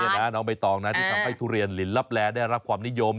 แล้วสาเหตุน้องใบตองที่ทำให้ทุเรียนหลินรับแร้ได้รับความนิยม